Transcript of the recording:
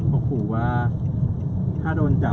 คุณผู้ชายเล่าจริงว่า